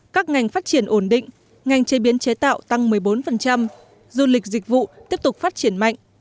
các ngành phát triển ổn định ngành chế biến chế tạo tăng một mươi bốn du lịch dịch vụ tiếp tục phát triển mạnh